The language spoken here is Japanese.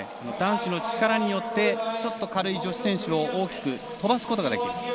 男子の力によってちょっと軽い女子選手を大きく飛ばすことができる。